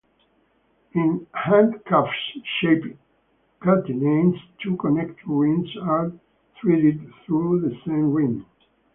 In handcuff-shaped catenanes, two connected rings are threaded through the same ring.